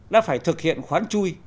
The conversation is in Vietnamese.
đã phải thực hiện khoán chui